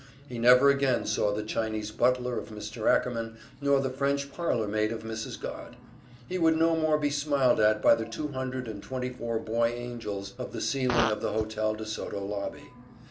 He never again saw the Chinese butler of Mr. Ackerman, nor the French parlor maid of Mrs. Godd. He would no more be smiled at by the two hundred and twenty four boy angels of the ceiling of the Hotel de Soto lobby.